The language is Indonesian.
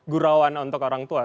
gurauan untuk orang tua